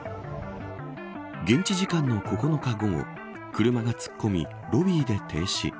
現地時間の９日午後車が突っ込み、ロビーで停止。